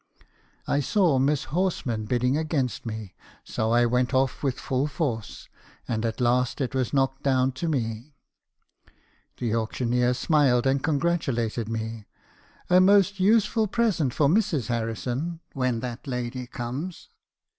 I saw Miss Horsman bidding against me , so I went off with full force, and at last it was knocked down to me. The auctioneer smiled, and congratulated me. "'A most useful present for Mrs. Harrison, when that lady comes.'